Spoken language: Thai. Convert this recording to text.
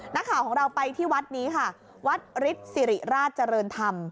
นักข่าวของเราไปที่วัดนี้ค่ะวัดฤทธิ์สิริราชเจริญธรรม